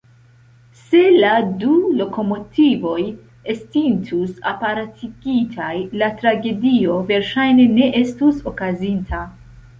Se la du lokomotivoj estintus apartigitaj, la tragedio verŝajne ne estus okazinta.